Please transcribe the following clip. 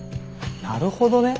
なるほどね。